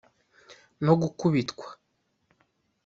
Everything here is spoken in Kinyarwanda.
no gukubitwa